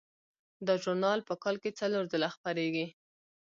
دا ژورنال په کال کې څلور ځله خپریږي.